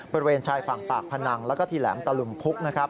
บริเวณชายฝั่งปากพนังแล้วก็ที่แหลมตะลุมพุกนะครับ